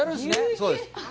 そうです。